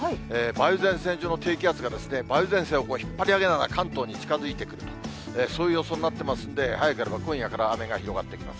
梅雨前線上の低気圧が、梅雨前線を引っ張り上げながら関東に近づいてくると、そういう予想になってますんで、早ければ今夜から、雨が広がってきます。